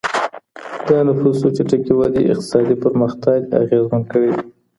د نفوسو چټکې ودي اقتصادي پرمختګ اغیزمن کړی دی.